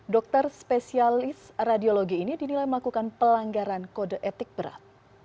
dokter spesialis radiologi ini dinilai melakukan pelanggaran kode etik berat